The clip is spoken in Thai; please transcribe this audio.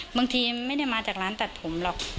บางทีไม่ได้มาจากร้านตัดผมหรอก